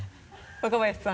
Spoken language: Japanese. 若林さん。